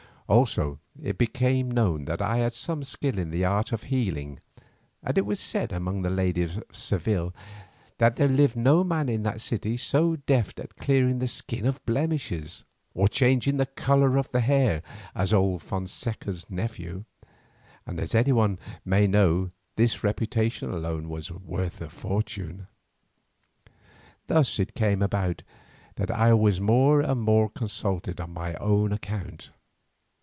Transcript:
Also it became known that I had some skill in my art of healing, and it was said among the ladies of Seville that there lived no man in that city so deft at clearing the skin of blemishes or changing the colour of the hair as old Fonseca's nephew, and as any one may know this reputation alone was worth a fortune. Thus it came about that I was more and more consulted on my own account.